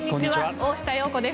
大下容子です。